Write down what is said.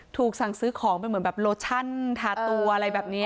ถูกสั่งซื้อของเป็นเหมือนแบบโลชั่นทาตัวอะไรแบบนี้